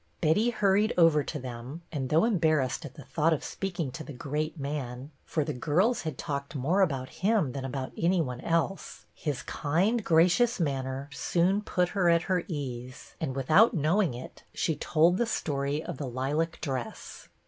Betty hurried over to them, and, though em barrassed at the thought of speaking to the great man, — for the girls had talked more about him than about any one else, — his kind, gracious manner soon put her at her ease, and without knowing it she told the story of the lilac dress.